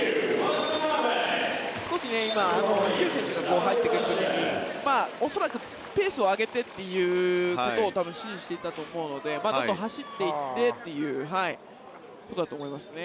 少し今、飛勇選手が入ってきた時に恐らくペースを上げてということを指示していたと思うのでちょっと走っていってっていうことだと思いますね。